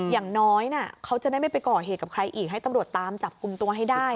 อย่างน้อยเขาจะได้ไม่ไปก่อเหตุกับใครอีกให้ตำรวจตามจับกลุ่มตัวให้ได้